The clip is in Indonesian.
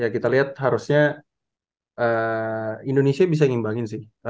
kita liat harusnya indonesia bisa ngeimbangin sih